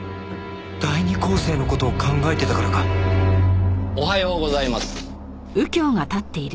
第二恒星の事を考えてたからかおはようございます。